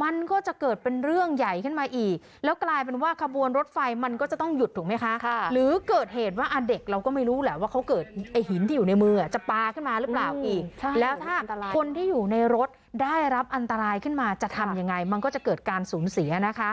มือจะปลาขึ้นมาหรือเปล่าอีกแล้วถ้าคนที่อยู่ในรถได้รับอันตรายขึ้นมาจะทำยังไงมันก็จะเกิดการสูญเสียนะคะ